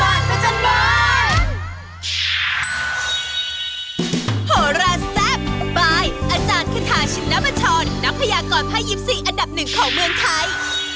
อาจารย์ขึ้นทางชิ้นน้ำปัชรนักพญากรพยศสี่อันดับหนึ่งของเมืองไทย